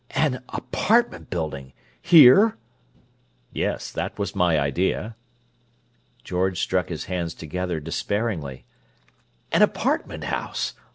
"An apartment building! Here?" "Yes; that was my idea." George struck his hands together despairingly. "An apartment house!